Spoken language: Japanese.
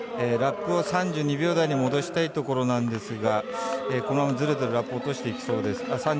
ラップを３２秒台に戻したいところなんですがこのままずるずるラップを落としてしまいそうです。